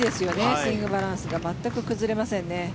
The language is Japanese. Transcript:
スイングバランスが全く崩れませんね。